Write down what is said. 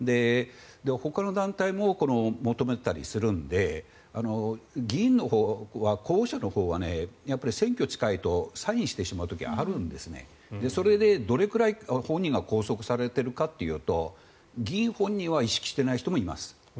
ほかの団体も求めていたりするので議員のほうは候補者のほうは選挙が近いとサインしてしまう時があるんですそれでどれくらい本人が拘束されているかというと議員本人は意識していない人もいます。